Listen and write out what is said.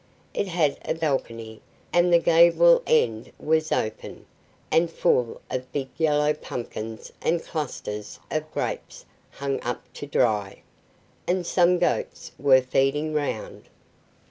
It had a balcony, and the gable end was open, and full of big yellow pumpkins and clusters of grapes hung up to dry, and some goats were feeding round.